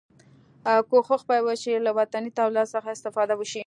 کوښښ باید وشي له وطني تولیداتو څخه استفاده وشي.